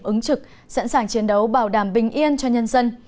ứng trực sẵn sàng chiến đấu bảo đảm bình yên cho nhân dân